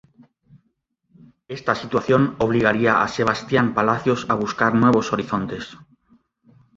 Esta situación obligaría a Sebastián Palacios a buscar nuevos horizontes.